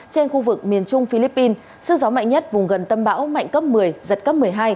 trên khu vực miền trung philippines sức gió mạnh nhất vùng gần tâm bão mạnh cấp một mươi giật cấp một mươi hai